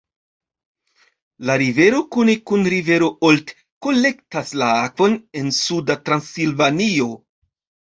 La rivero kune kun rivero Olt kolektas la akvon en Suda Transilvanio.